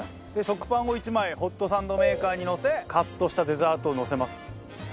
食パンを１枚ホットサンドメーカーにのせカットしたデザートをのせます。